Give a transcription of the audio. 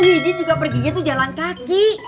idin juga perginya tuh jalan kaki